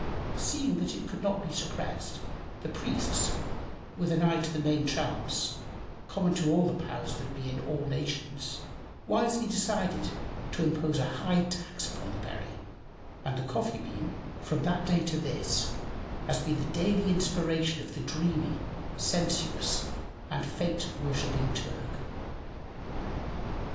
Seeing that it could not be suppressed, the priests, with an eye to the main chance common to the powers that be in all nations wisely decided to impose a high tax upon the berry, and the coffee bean, from that day to this, has been the daily inspiration of the dreamy, sensuous, and fate worshiping Turk.